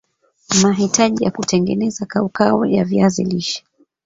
mahitaji ya kutengeneza kaukau ya viazi lishe